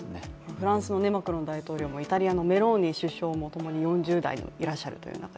フランスのマクロン大統領もイタリアのメローニ首相もともに４０代でいらっしゃるという。